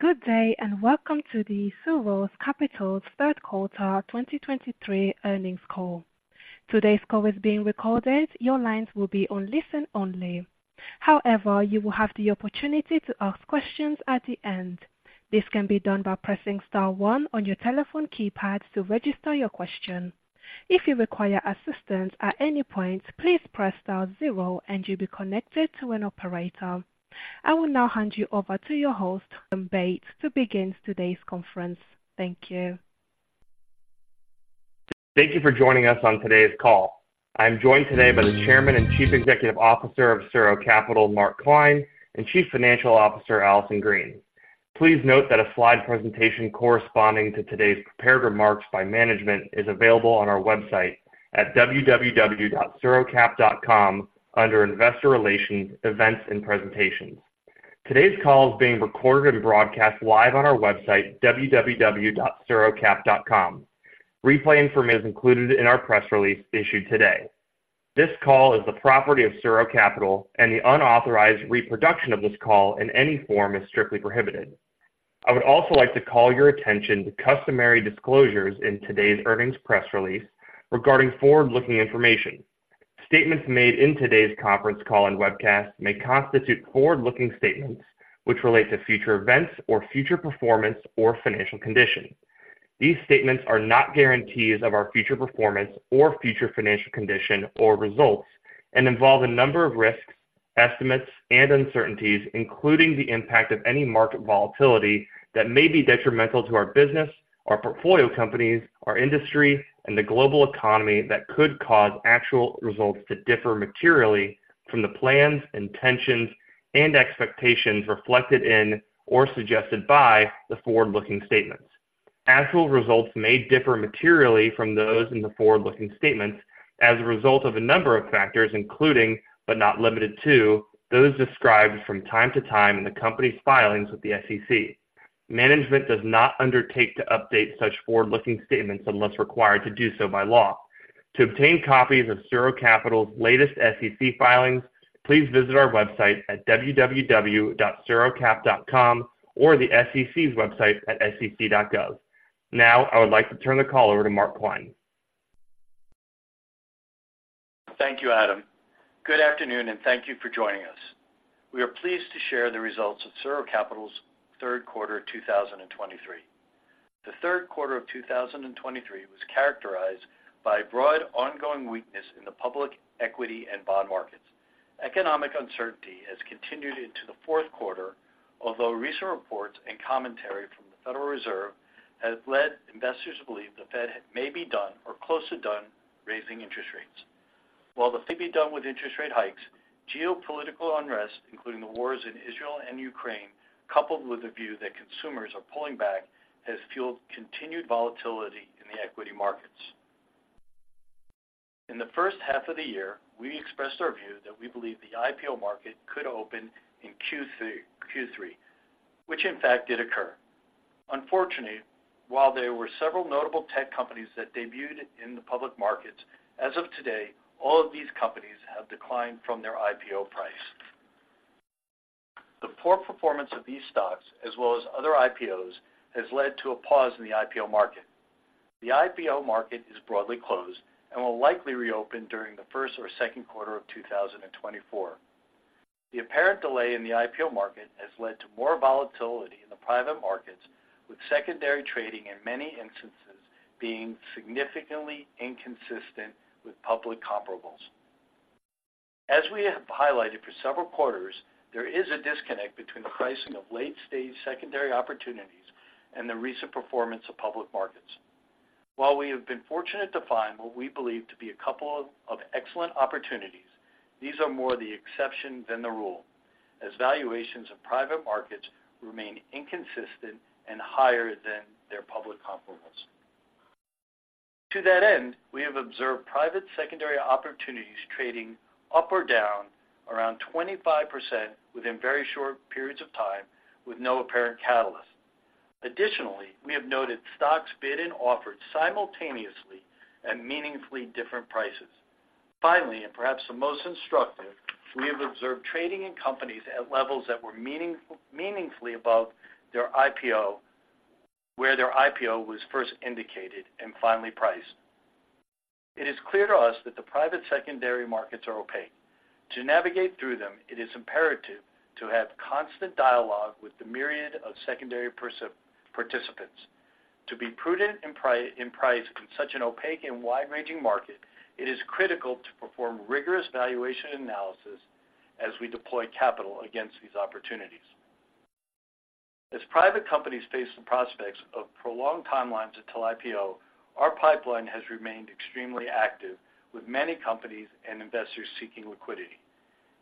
Good day, and welcome to the SuRo Capital's Third Quarter 2023 Earnings Call. Today's call is being recorded. Your lines will be on listen only. However, you will have the opportunity to ask questions at the end. This can be done by pressing star one on your telephone keypad to register your question. If you require assistance at any point, please press star zero, and you'll be connected to an operator. I will now hand you over to your host, Adam Bates, to begin today's conference. Thank you. Thank you for joining us on today's call. I'm joined today by the Chairman and Chief Executive Officer of SuRo Capital, Mark Klein, and Chief Financial Officer, Allison Green. Please note that a slide presentation corresponding to today's prepared remarks by management is available on our website at www.surocap.com under Investor Relations, Events, and Presentations. Today's call is being recorded and broadcast live on our website, www.surocap.com. Replay information is included in our press release issued today. This call is the property of SuRo Capital, and the unauthorized reproduction of this call in any form is strictly prohibited. I would also like to call your attention to customary disclosures in today's earnings press release regarding forward-looking information. Statements made in today's conference call and webcast may constitute forward-looking statements, which relate to future events or future performance or financial conditions. These statements are not guarantees of our future performance or future financial condition or results, and involve a number of risks, estimates, and uncertainties, including the impact of any market volatility that may be detrimental to our business, our portfolio companies, our industry, and the global economy that could cause actual results to differ materially from the plans, intentions, and expectations reflected in or suggested by the forward-looking statements. Actual results may differ materially from those in the forward-looking statements as a result of a number of factors, including, but not limited to, those described from time to time in the company's filings with the SEC. Management does not undertake to update such forward-looking statements unless required to do so by law. To obtain copies of SuRo Capital's latest SEC filings, please visit our website at www.surocap.com or the SEC's website at sec.gov. Now, I would like to turn the call over to Mark Klein. Thank you, Adam. Good afternoon, and thank you for joining us. We are pleased to share the results of SuRo Capital's Third Quarter 2023. The third quarter of 2023 was characterized by broad, ongoing weakness in the public equity and bond markets. Economic uncertainty has continued into the fourth quarter, although recent reports and commentary from the Federal Reserve has led investors to believe the Fed may be done or close to done raising interest rates. While the Fed may be done with interest rate hikes, geopolitical unrest, including the wars in Israel and Ukraine, coupled with the view that consumers are pulling back, has fueled continued volatility in the equity markets. In the first half of the year, we expressed our view that we believe the IPO market could open in Q3, Q3, which in fact did occur. Unfortunately, while there were several notable tech companies that debuted in the public markets, as of today, all of these companies have declined from their IPO price. The poor performance of these stocks, as well as other IPOs, has led to a pause in the IPO market. The IPO market is broadly closed and will likely reopen during the first or second quarter of 2024. The apparent delay in the IPO market has led to more volatility in the private markets, with secondary trading in many instances being significantly inconsistent with public comparables. As we have highlighted for several quarters, there is a disconnect between the pricing of late-stage secondary opportunities and the recent performance of public markets. While we have been fortunate to find what we believe to be a couple of excellent opportunities, these are more the exception than the rule, as valuations of private markets remain inconsistent and higher than their public comparables. To that end, we have observed private secondary opportunities trading up or down around 25% within very short periods of time with no apparent catalyst. Additionally, we have noted stocks bid and offered simultaneously at meaningfully different prices. Finally, and perhaps the most instructive, we have observed trading in companies at levels that were meaningfully above their IPO, where their IPO was first indicated and finally priced. It is clear to us that the private secondary markets are opaque. To navigate through them, it is imperative to have constant dialogue with the myriad of secondary participants. To be prudent in pricing in such an opaque and wide-ranging market, it is critical to perform rigorous valuation analysis as we deploy capital against these opportunities. As private companies face the prospects of prolonged timelines until IPO, our pipeline has remained extremely active, with many companies and investors seeking liquidity.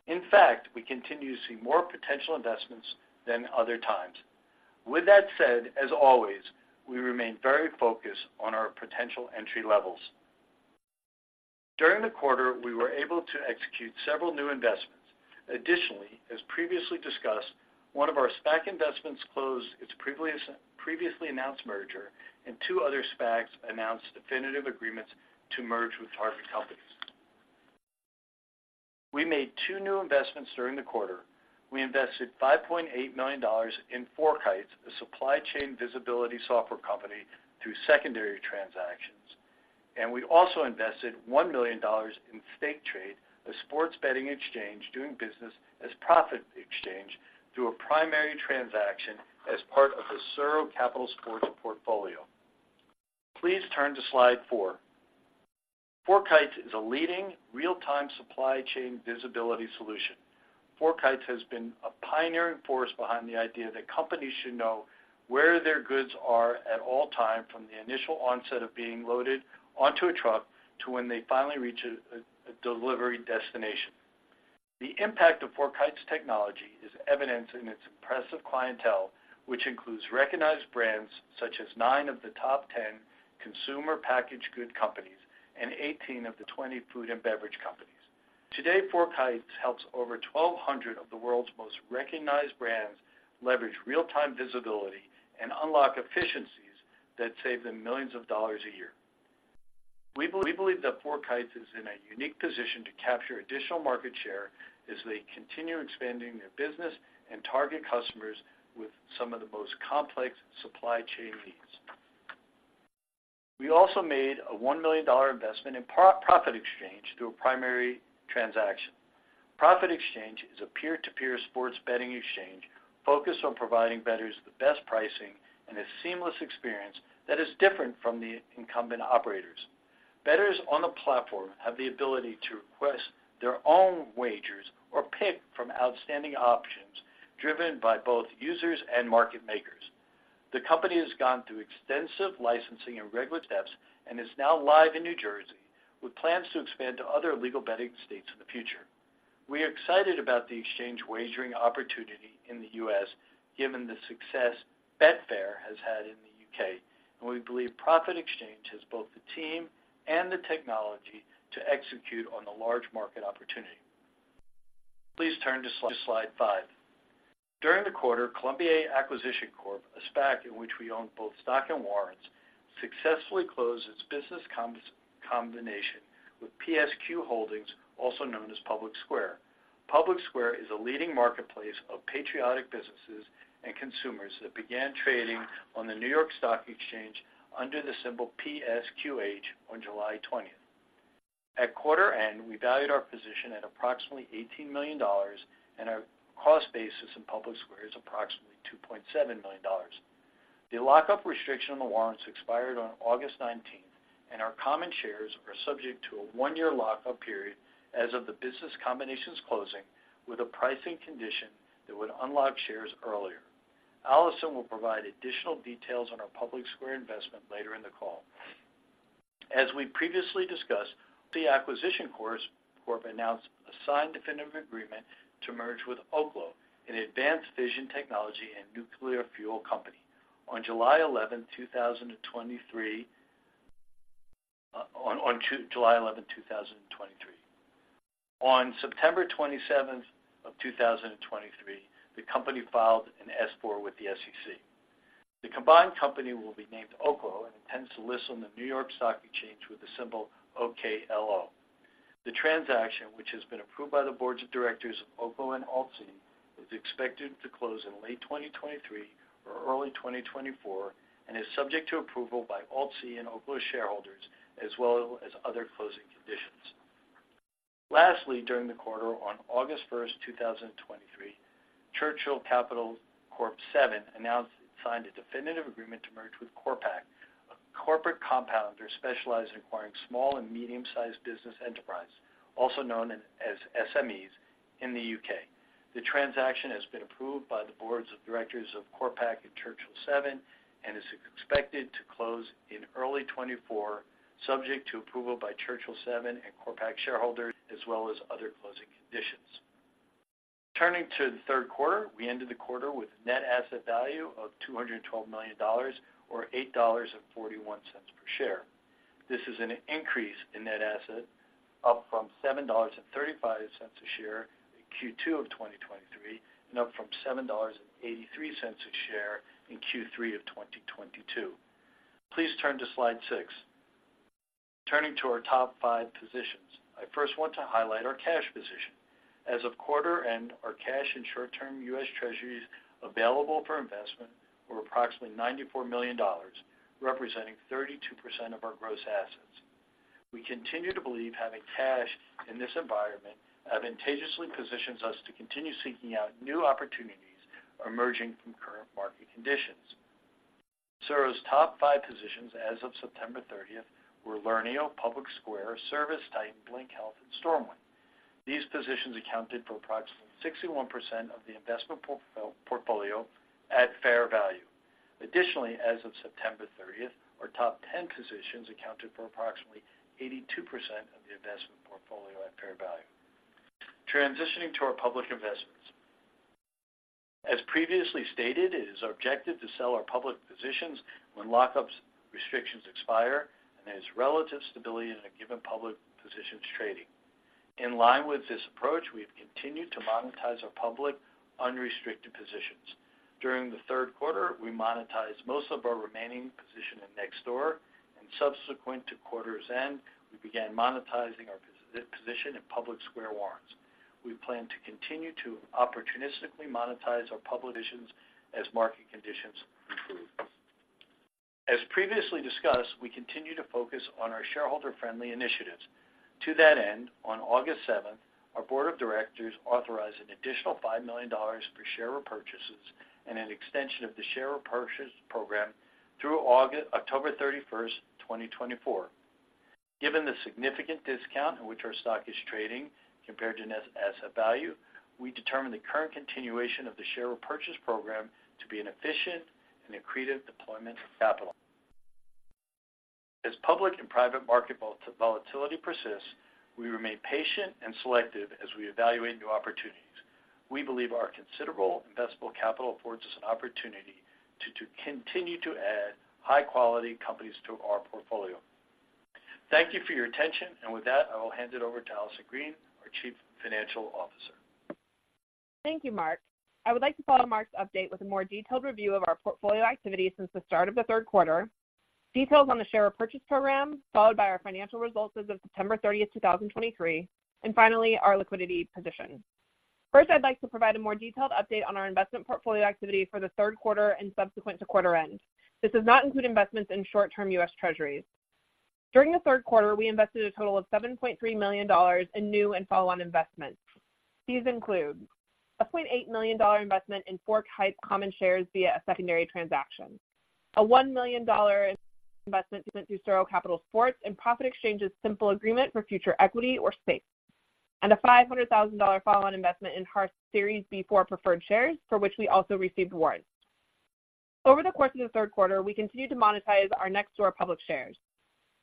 In fact, we continue to see more potential investments than other times. With that said, as always, we remain very focused on our potential entry levels. During the quarter, we were able to execute several new investments. Additionally, as previously discussed, one of our SPAC investments closed its previously announced merger, and two other SPACs announced definitive agreements to merge with target companies.... We made two new investments during the quarter. We invested $5.8 million in FourKites, a supply chain visibility software company, through secondary transactions. And we also invested $1 million in Stake Trade, a sports betting exchange, doing business as Prophet Exchange, through a primary transaction as part of the SuRo Capital Sports portfolio. Please turn to slide 4. FourKites is a leading real-time supply chain visibility solution. FourKites has been a pioneering force behind the idea that companies should know where their goods are at all time, from the initial onset of being loaded onto a truck to when they finally reach a delivery destination. The impact of FourKites technology is evidenced in its impressive clientele, which includes recognized brands such as 9 of the top 10 consumer packaged good companies and 18 of the 20 food and beverage companies. Today, FourKites helps over 1,200 of the world's most recognized brands leverage real-time visibility and unlock efficiencies that save them millions of dollars a year. We believe that FourKites is in a unique position to capture additional market share as they continue expanding their business and target customers with some of the most complex supply chain needs. We also made a $1 million investment in Prophet Exchange through a primary transaction. Prophet Exchange is a peer-to-peer sports betting exchange focused on providing bettors the best pricing and a seamless experience that is different from the incumbent operators. Bettors on the platform have the ability to request their own wagers or pick from outstanding options driven by both users and market makers. The company has gone through extensive licensing and regulatory steps and is now live in New Jersey, with plans to expand to other legal betting states in the future. We are excited about the exchange wagering opportunity in the U.S., given the success Betfair has had in the U.K., and we believe Prophet Exchange has both the team and the technology to execute on the large market opportunity. Please turn to slide 5. During the quarter, Colombier Acquisition Corp., a SPAC in which we own both stock and warrants, successfully closed its business combination with PSQ Holdings, also known as PublicSquare. PublicSquare is a leading marketplace of patriotic businesses and consumers that began trading on the New York Stock Exchange under the symbol PSQH on July 20. At quarter end, we valued our position at approximately $18 million, and our cost basis in PublicSquare is approximately $2.7 million. The lockup restriction on the warrants expired on August 19, and our common shares are subject to a one-year lock-up period as of the business combination's closing with a pricing condition that would unlock shares earlier. Allison will provide additional details on our PublicSquare investment later in the call. As we previously discussed, the AltC Acquisition Corp. announced a signed definitive agreement to merge with Oklo, an advanced fission technology and nuclear fuel company on July 11, 2023, on July 11, 2023. On September 27 of 2023, the company filed an S-4 with the SEC. The combined company will be named Oklo and intends to list on the New York Stock Exchange with the symbol OKLO. The transaction, which has been approved by the Boards of Directors of Oklo and AltC, is expected to close in late 2023 or early 2024, and is subject to approval by AltC and Oklo shareholders, as well as other closing conditions. Lastly, during the quarter, on August 1, 2023, Churchill Capital Corp. VII announced it signed a definitive agreement to merge with CorpAcq, a corporate compounder specialized in acquiring small and medium-sized business enterprises, also known as SMEs, in the U.K.. The transaction has been approved by the Boards of Directors of CorpAcq and Churchill Capital Corp. VII and is expected to close in early 2024, subject to approval by Churchill Capital Corp. VII and CorpAcq shareholders, as well as other closing conditions. Turning to the third quarter, we ended the quarter with a net asset value of $212 million or $8.41 per share. This is an increase in net asset up from $7.35 a share in Q2 of 2023, and up from $7.83 a share in Q3 of 2022. Please turn to slide 6. Turning to our top five positions, I first want to highlight our cash position. As of quarter end, our cash and short-term U.S. Treasuries available for investment were approximately $94 million, representing 32% of our gross assets. We continue to believe having cash in this environment advantageously positions us to continue seeking out new opportunities emerging from current market conditions. SuRo's top 5 positions as of September 30 were Learneo, PublicSquare, ServiceTitan, Blink Health, and StormWind. These positions accounted for approximately 61% of the investment portfolio at fair value. Additionally, as of September 30, our top 10 positions accounted for approximately 82% of the investment portfolio at fair value. Transitioning to our public investments. As previously stated, it is our objective to sell our public positions when lock-up restrictions expire and there is relative stability in a given public position's trading. In line with this approach, we have continued to monetize our public unrestricted positions. During the third quarter, we monetized most of our remaining position in Nextdoor, and subsequent to quarter's end, we began monetizing our position in PublicSquare warrants. We plan to continue to opportunistically monetize our public positions as market conditions improve. As previously discussed, we continue to focus on our shareholder-friendly initiatives. To that end, on August 7, our board of directors authorized an additional $5 million for share repurchases and an extension of the share repurchase program through October 31, 2024. Given the significant discount in which our stock is trading compared to net asset value, we determine the current continuation of the share repurchase program to be an efficient and accretive deployment of capital. As public and private market volatility persists, we remain patient and selective as we evaluate new opportunities. We believe our considerable investable capital affords us an opportunity to continue to add high-quality companies to our portfolio. Thank you for your attention, and with that, I will hand it over to Allison Green, our Chief Financial Officer. Thank you, Mark. I would like to follow Mark's update with a more detailed review of our portfolio activity since the start of the third quarter, details on the share repurchase program, followed by our financial results as of September 30, 2023, and finally, our liquidity position. First, I'd like to provide a more detailed update on our investment portfolio activity for the third quarter and subsequent to quarter end. This does not include investments in short-term U.S. Treasuries. During the third quarter, we invested a total of $7.3 million in new and follow-on investments. These include: a $0.8 million investment in Forge common shares via a secondary transaction, a $1 million investment through SuRo Capital Sports in Prophet Exchange's Simple Agreement for Future Equity or SAFE, and a $500,000 follow-on investment in Hearth Series B-4 preferred shares, for which we also received warrants. Over the course of the third quarter, we continued to monetize our Nextdoor public shares.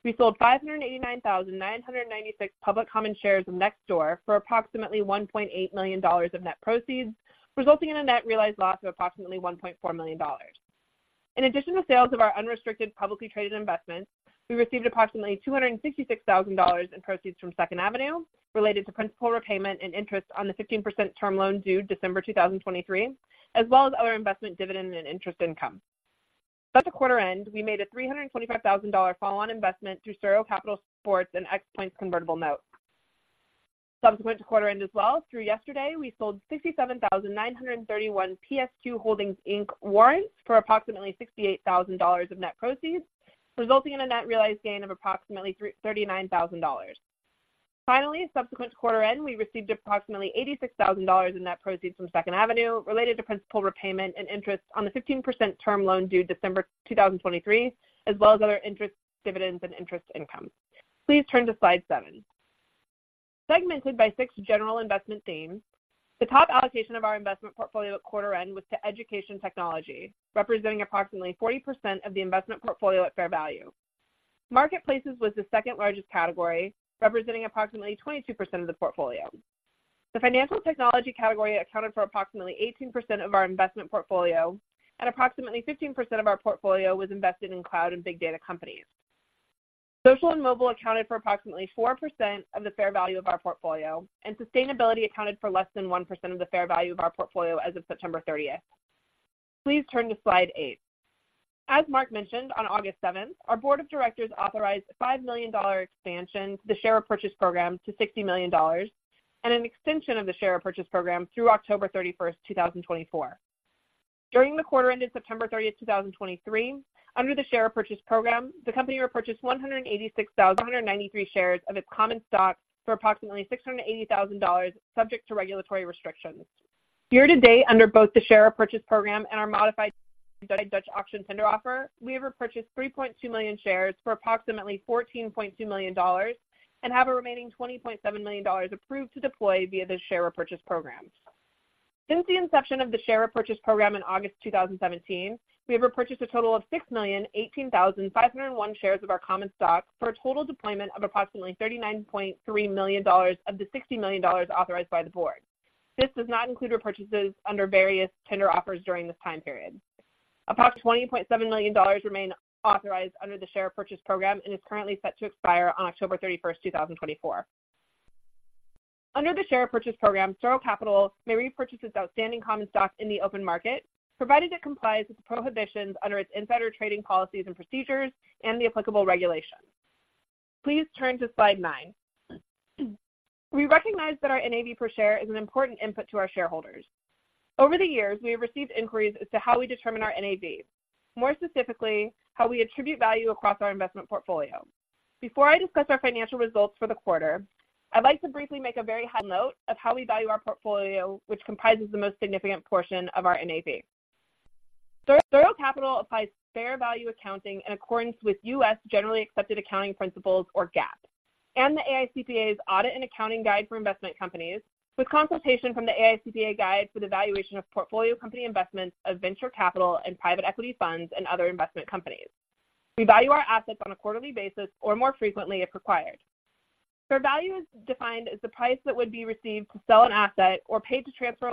We sold 589,996 public common shares of Nextdoor for approximately $1.8 million of net proceeds, resulting in a net realized loss of approximately $1.4 million. In addition to sales of our unrestricted, publicly traded investments, we received approximately $266,000 in proceeds from Second Avenue related to principal repayment and interest on the 15% term loan due December 2023, as well as other investment dividend and interest income. At the quarter end, we made a $325,000 follow-on investment through SuRo Capital Sports and Xpoint's convertible notes. Subsequent to quarter end as well, through yesterday, we sold 67,931 PSQ Holdings Inc. warrants for approximately $68,000 of net proceeds, resulting in a net realized gain of approximately $39,000. Finally, subsequent to quarter end, we received approximately $86,000 in net proceeds from Second Avenue related to principal repayment and interest on the 15% term loan due December 2023, as well as other interest dividends and interest income. Please turn to slide 7. Segmented by 6 general investment themes, the top allocation of our investment portfolio at quarter end was to education technology, representing approximately 40% of the investment portfolio at fair value. Marketplaces was the second largest category, representing approximately 22% of the portfolio. The financial technology category accounted for approximately 18% of our investment portfolio, and approximately 15% of our portfolio was invested in cloud and big data companies. Social and mobile accounted for approximately 4% of the fair value of our portfolio, and sustainability accounted for less than 1% of the fair value of our portfolio as of September 30. Please turn to slide 8. As Mark mentioned, on August 7, our board of directors authorized a $5 million expansion to the share repurchase program to $60 million, and an extension of the share repurchase program through October 31, 2024. During the quarter ended September 30, 2023, under the share repurchase program, the company repurchased 186,193 shares of its common stock for approximately $680,000, subject to regulatory restrictions. Year to date, under both the share repurchase program and our modified Dutch Auction tender offer, we have repurchased 3.2 million shares for approximately $14.2 million and have a remaining $20.7 million approved to deploy via the share repurchase programs. Since the inception of the share repurchase program in August 2017, we have repurchased a total of 6,018,501 shares of our common stock for a total deployment of approximately $39.3 million of the $60 million authorized by the board. This does not include repurchases under various tender offers during this time period. Approximately $20.7 million remain authorized under the share purchase program and is currently set to expire on October 31, 2024. Under the share purchase program, SuRo Capital may repurchase its outstanding common stock in the open market, provided it complies with the prohibitions under its insider trading policies and procedures and the applicable regulations. Please turn to slide 9. We recognize that our NAV per share is an important input to our shareholders. Over the years, we have received inquiries as to how we determine our NAV. More specifically, how we attribute value across our investment portfolio. Before I discuss our financial results for the quarter, I'd like to briefly make a very high note of how we value our portfolio, which comprises the most significant portion of our NAV. SuRo Capital applies fair value accounting in accordance with U.S. Generally Accepted Accounting Principles, or GAAP, and the AICPA's Audit and Accounting Guide for Investment Companies, with consultation from the AICPA Guide for the Valuation of Portfolio Company Investments of Venture Capital and Private Equity Funds and other investment companies. We value our assets on a quarterly basis, or more frequently, if required. Fair value is defined as the price that would be received to sell an asset or paid to transfer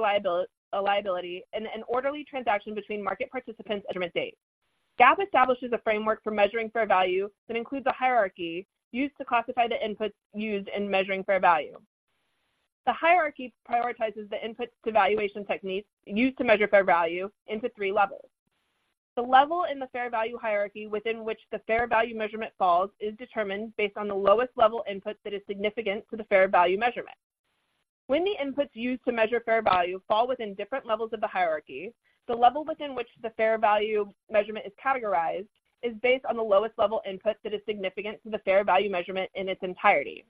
a liability in an orderly transaction between market participants at the measurement date. GAAP establishes a framework for measuring fair value that includes a hierarchy used to classify the inputs used in measuring fair value. The hierarchy prioritizes the inputs to valuation techniques used to measure fair value into three levels. The level in the Fair Value hierarchy within which the Fair Value measurement falls is determined based on the lowest level input that is significant to the Fair Value measurement. When the inputs used to measure Fair Value fall within different levels of the hierarchy, the level within which the Fair Value measurement is categorized is based on the lowest level input that is significant to the Fair Value measurement in its entirety.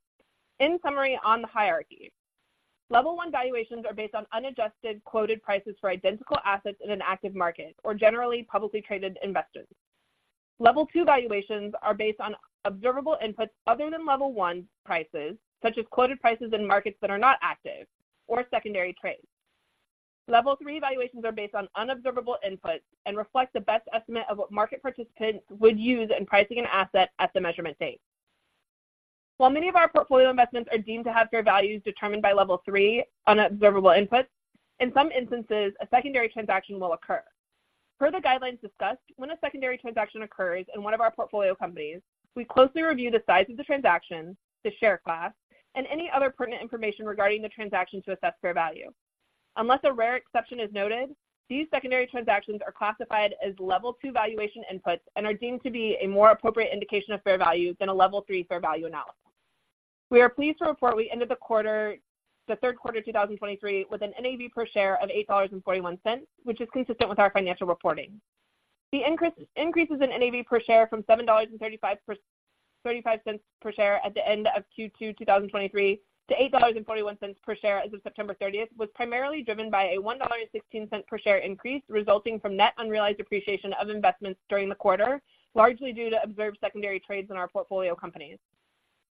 In summary, on the hierarchy, Level 1 valuations are based on unadjusted, quoted prices for identical assets in an active market or generally publicly traded investors. Level 2 valuations are based on observable inputs other than Level 1 prices, such as quoted prices in markets that are not active or secondary trades. Level 3 valuations are based on unobservable inputs and reflect the best estimate of what market participants would use in pricing an asset at the measurement date. While many of our portfolio investments are deemed to have fair values determined by Level 3 unobservable inputs, in some instances, a secondary transaction will occur. Per the guidelines discussed, when a secondary transaction occurs in one of our portfolio companies, we closely review the size of the transaction, the share class, and any other pertinent information regarding the transaction to assess fair value. Unless a rare exception is noted, these secondary transactions are classified as Level 2 valuation inputs and are deemed to be a more appropriate indication of fair value than a Level 3 fair value analysis. We are pleased to report we ended the quarter, the third quarter of 2023, with an NAV per share of $8.41, which is consistent with our financial reporting. The increases in NAV per share from $7.35 per share at the end of Q2 2023 to $8.41 per share as of September 30, was primarily driven by a $1.16 per share increase, resulting from net unrealized appreciation of investments during the quarter, largely due to observed secondary trades in our portfolio companies.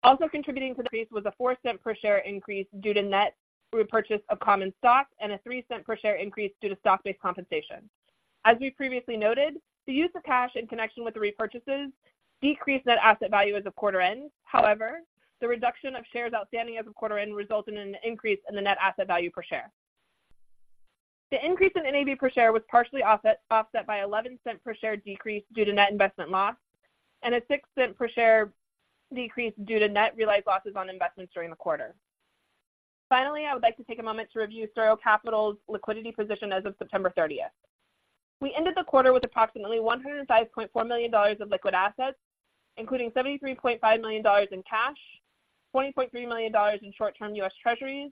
Also contributing to the increase was a $0.04 per share increase due to net repurchase of common stock and a $0.03 per share increase due to stock-based compensation. As we previously noted, the use of cash in connection with the repurchases decreased net asset value as of quarter end. However, the reduction of shares outstanding as of quarter end resulted in an increase in the net asset value per share. The increase in NAV per share was partially offset by 11-cent per share decrease due to net investment loss and a 6-cent per share decrease due to net realized losses on investments during the quarter. Finally, I would like to take a moment to review SuRo Capital's liquidity position as of September 30. We ended the quarter with approximately $105.4 million of liquid assets, including $73.5 million in cash, $20.3 million in short-term U.S. Treasuries,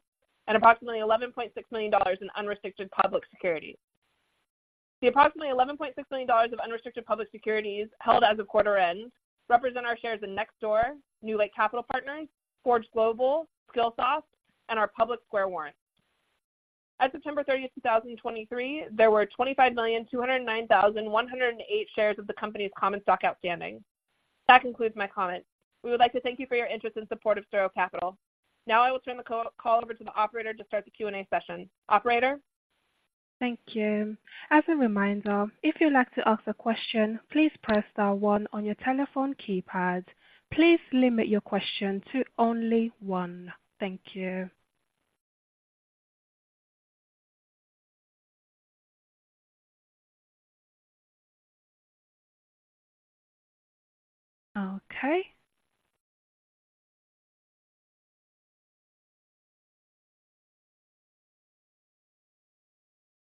and approximately $11.6 million in unrestricted public securities. The approximately $11.6 million of unrestricted public securities held as of quarter end represent our shares in Nextdoor, NewLake Capital Partners, Forge Global, Skillsoft, and our PublicSquare warrants. At September 30, 2023, there were 25,209,108 shares of the company's common stock outstanding. That concludes my comments. We would like to thank you for your interest and support of SuRo Capital. Now I will turn the call over to the operator to start the Q&A session. Operator? Thank you. As a reminder, if you'd like to ask a question, please press star one on your telephone keypad. Please limit your question to only one. Thank you. Okay.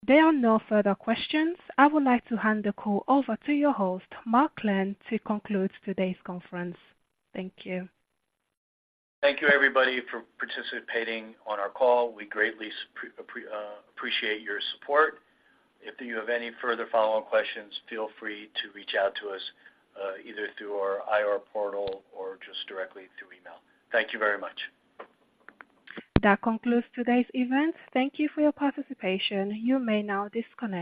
There are no further questions. I would like to hand the call over to your host, Mark Klein, to conclude today's conference. Thank you. Thank you, everybody, for participating on our call. We greatly appreciate your support. If you have any further follow-up questions, feel free to reach out to us, either through our IR portal or just directly through email. Thank you very much. That concludes today's event. Thank you for your participation. You may now disconnect.